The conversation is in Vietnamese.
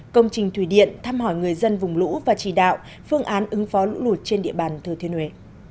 công trình thủy điện thăm hỏi người dân vùng lũ và chỉ đạo phương án ứng phó lũ lụt trên địa bàn thừa thiên huế